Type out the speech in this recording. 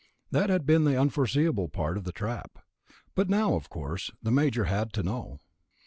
That had been the unforeseeable part of the trap. But now, of course, the Major had to know.